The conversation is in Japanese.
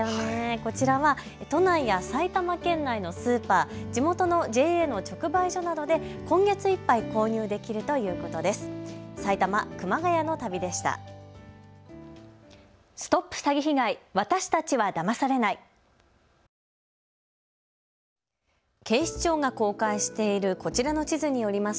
こちらは都内や埼玉県内のスーパー、地元のＪＡの直売所などで今月いっぱい購入できるということです。